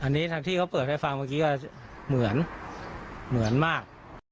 อันนี้ทางที่เขาเปิดให้ฟังเมื่อกี้ก็เหมือนเหมือนมาก